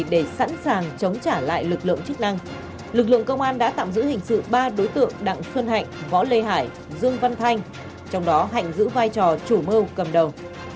để sẵn sàng chống trả lại lực lượng chức năng lực lượng công an đã tạm giữ hình sự ba đối tượng đặng xuân hạnh võ lê hải dương văn thanh trong đó hạnh giữ vai trò chủ mưu cầm đầu